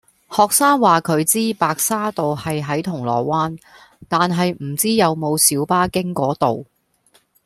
學生話佢知白沙道係喺銅鑼灣，但係唔知有冇小巴經嗰度